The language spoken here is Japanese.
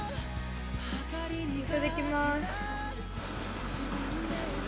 いただきます。